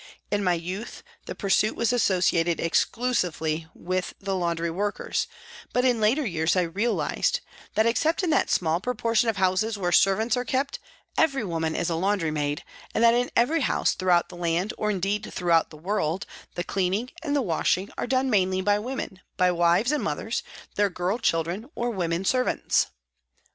In my youth, the pursuit was associated exclusively with laundry workers, but in later years I realised that, except in that small proportion of houses where servants are kept, every woman is a laundry maid, DEPUTATION TO PRIME MINISTER 43 and that in every house throughout the land, or indeed throughout the world, the cleaning and the washing are done mainly by women, by wives and mothers, their girl children or women servants.